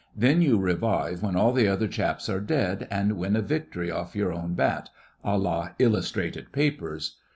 Then you revive when all the other chaps are dead, and win a victory off your own bat—à la illustrated papers.